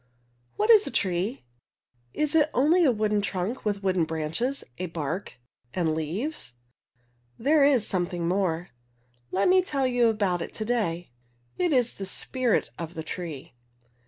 What is a tree? Is it only a wooden trunk with wooden branches, a bark and leaves? There is something more. Let me tell you about it to day. It's the spirit of the tree.